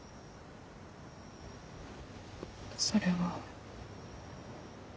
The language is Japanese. それは。